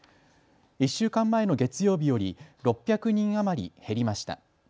１週間前の月曜日より６００人余り減りました。